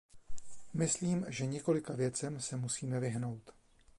Myslím, že několika věcem se musíme vyhnout.